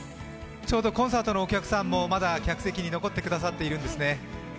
ちょうどコンサートのお客さんも、まだ客席に残ってくださっているんですね。